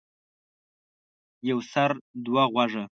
يو سر ،دوه غوږه.